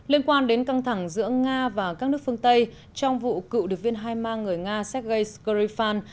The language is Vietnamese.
liên quan đến căng thẳng giữa nga và các nước phương tây trong vụ cựu được viên hai ma người nga sergei skourifan